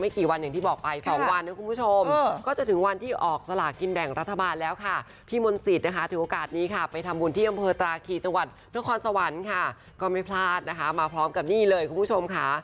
คีย์จังหวัดเพื่อความสวรรค์ค่ะก็ไม่พลาดนะคะมาพร้อมกับนี่เลยคุณผู้ชมค่ะ